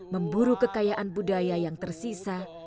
memburu kekayaan budaya yang tersisa